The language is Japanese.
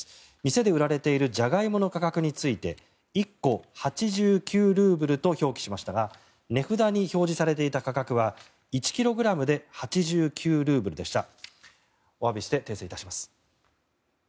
店で売られているジャガイモの価格について１個８９ルーブルと表記しましたが値札に表示されていた価格は１ｋｇで８９ルーブルでした。